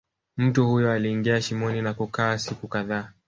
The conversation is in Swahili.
Mtu huyo aliingia shimoni na kukaa siku kadhaa